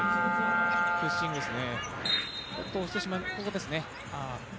プッシングですね。